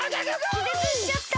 きぜつしちゃった。